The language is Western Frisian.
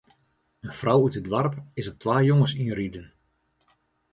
In frou út it doarp is op twa jonges ynriden.